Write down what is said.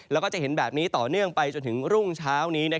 แล้วก็จะเห็นแบบนี้ต่อเนื่องไปจนถึงรุ่งเช้านี้